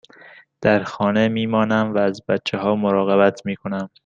در خانه می مانم و از بچه ها مراقبت می کنم.